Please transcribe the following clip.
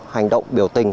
hành động biểu tình